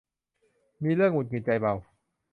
มีเรื่องหงุดหงิดใจเบา